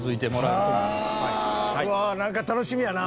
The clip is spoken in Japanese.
うわっなんか楽しみやな。